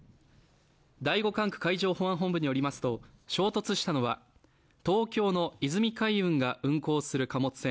第五管区海上保安本部によりますと、衝突したのは東京の泉海運が運航する貨物船